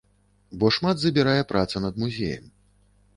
Бо шмат забірае праца над музеем.